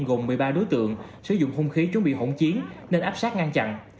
gồm một mươi ba đối tượng sử dụng hung khí chuẩn bị hỗn chiến nên áp sát ngăn chặn